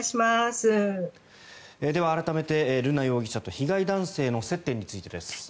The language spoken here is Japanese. では、改めて瑠奈容疑者と被害男性の接点についてです。